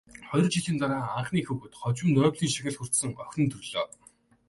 Хоёр жилийн дараа анхны хүүхэд, хожим Нобелийн шагнал хүртсэн охин нь төрлөө.